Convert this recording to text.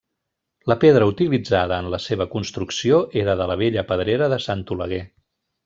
La pedra utilitzada en la seva construcció era de la vella pedrera de Sant Oleguer.